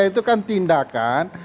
itu kan tindakan